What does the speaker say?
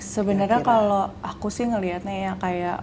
sebenarnya kalau aku sih ngeliatnya ya kayak